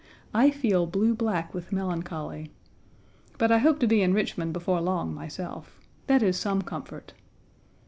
I feel blue black with melancholy. But I hope to be in Richmond before long myself. That is some comfort.